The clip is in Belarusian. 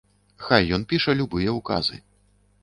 Хай ён піша любыя ўказы.